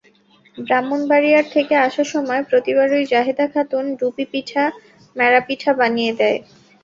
ব্রাহ্মণবাড়িয়ার থেকে আসার সময় প্রতিবারই জাহেদা খাতুন ডুপি পিঠা, মেরা পিঠা বানিয়ে দেয়।